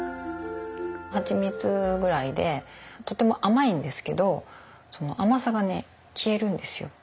蜂蜜ぐらいでとても甘いんですけどその甘さが消えるんですよ。